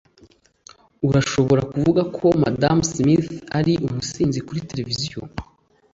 Urashobora kuvuga ko Madamu Smith ari umusinzi kuri tereviziyo